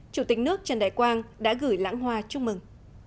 chủ tịch nước trần đại quang đã gửi lãng hoa chúc mừng